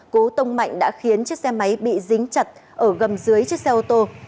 cố tông mạnh đã khiến chiếc xe máy bị dính chặt ở gầm dưới chiếc xe ô tô